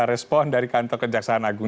respon dari kantor kejaksaan agung